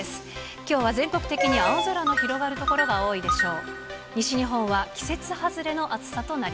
きょうは全国的に青空の広がる所が多いでしょう。